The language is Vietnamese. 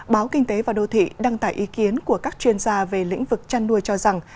báo kinh tế và đô thị đăng tải ý kiến của các chuyên gia về lĩnh vực chăn nuôi cho rằng